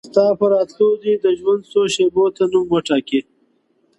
ستا په راتلو دې د ژوند څو شېبو ته نوم وټاکي~